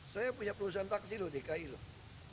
saya punya perusahaan taksi loh dki loh